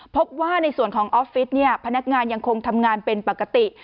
พบว่าในส่วนของออฟฟิศพนักงานยังคงทำงานเป็นปกติ